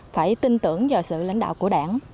phải tin tưởng vào sự lãnh đạo của đảng